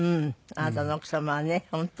あなたの奥様はね本当。